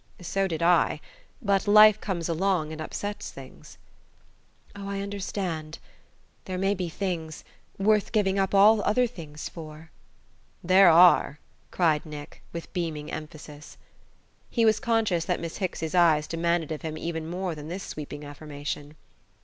"So did I. But life comes along, and upsets things." "Oh, I understand. There may be things worth giving up all other things for." "There are!" cried Nick with beaming emphasis. He was conscious that Miss Hicks's eyes demanded of him even more than this sweeping affirmation.